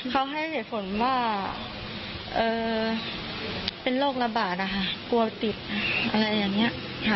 เขาให้เหตุผลว่าเป็นโรคระบาดนะคะกลัวติดอะไรอย่างนี้